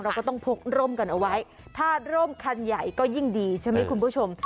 เราก็ต้องพกร่มกันเอาไว้ถ้าร่มคันใหญ่ก็ยิ่งดีใช่ไหมคุณผู้ชม